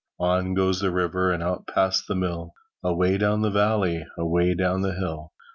On goes the river And out past the mill, Away down the valley, Away down the hill.